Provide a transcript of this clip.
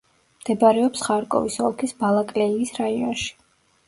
მდებარეობს ხარკოვის ოლქის ბალაკლეიის რაიონში.